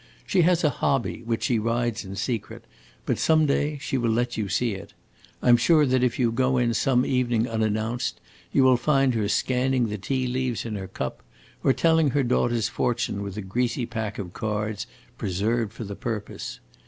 She has a hobby, which she rides in secret; but some day she will let you see it. I 'm sure that if you go in some evening unannounced, you will find her scanning the tea leaves in her cup, or telling her daughter's fortune with a greasy pack of cards, preserved for the purpose.